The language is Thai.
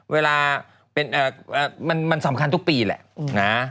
เวลามันสำคัญทุกปีแหละนะ